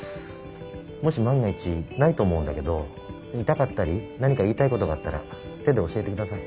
もし万が一ないと思うんだけど痛かったり何か言いたいことがあったら手で教えて下さい。